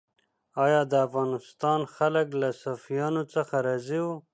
آیا د افغانستان خلک له صفویانو څخه راضي وو؟